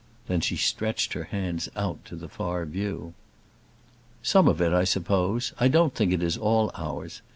Then she stretched her hands out to the far view. "Some of it, I suppose. I don't think it is all ours.